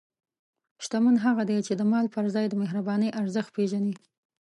شتمن هغه دی چې د مال پر ځای د مهربانۍ ارزښت پېژني.